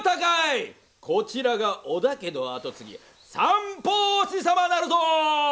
こちらが織田家の後継ぎ三法師様なるぞ！